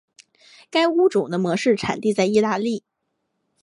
该物种的模式产地在意大利。